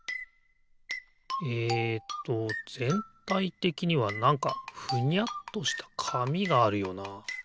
えっとぜんたいてきにはなんかふにゃっとしたかみがあるよな。